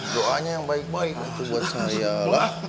doanya yang baik baik itu buat saya lah